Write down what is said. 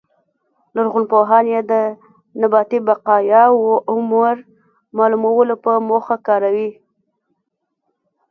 لرغونپوهان یې د نباتي بقایاوو عمر معلومولو په موخه کاروي